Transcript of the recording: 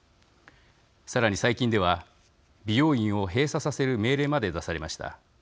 さらに最近では、美容院を閉鎖させる命令まで出されました。